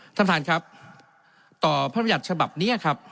ท่านท่านครับต่อพระมรรยาชฉบับเนี้ยครับ